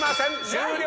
終了！